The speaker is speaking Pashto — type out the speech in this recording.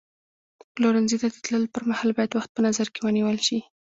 پلورنځي ته د تللو پر مهال باید وخت په نظر کې ونیول شي.